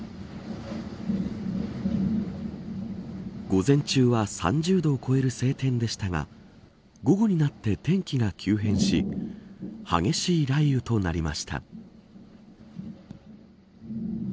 午前中は３０度を超える晴天でしたが午後になって天気が急変し激しい雷雨となりました。